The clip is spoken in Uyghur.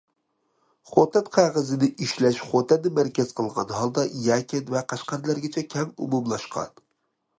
خوتەن قەغىزىنى ئىشلەش خوتەننى مەركەز قىلغان ھالدا يەكەن ۋە قەشقەرلەرگىچە كەڭ ئومۇملاشقان.